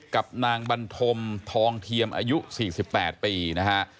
กับนางบันทมทองเทียมอายุ๔๘ปีนะฮะ